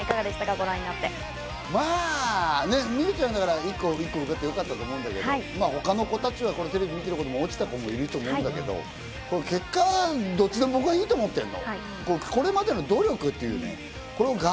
まあね、美羽ちゃん、１校、２校、受けてよかったと思うんだけど、ここの子たち、テレビを見てる子、落ちた子もいたと思うんだけど、結果がどっちでもいいと思ってるの。